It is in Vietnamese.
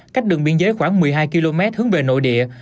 cách đường biên giới khoảng một mươi hai km hướng về nội địa